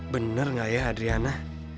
bener gak ya adriana